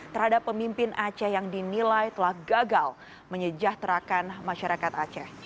terhadap pemimpin aceh yang dinilai telah gagal menyejahterakan masyarakat aceh